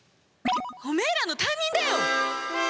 おめえらの担任だよ！